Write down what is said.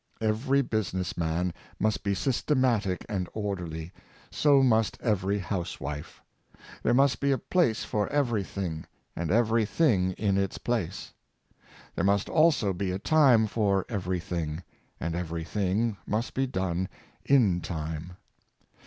Every business man must be systematic and orderly; so must every housewife. There must be a place for every thing, and every thing in its place. There must also be a time for every thing, and every thing must be done in time.